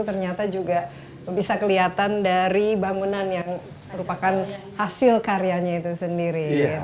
ternyata juga bisa kelihatan dari bangunan yang merupakan hasil karyanya itu sendiri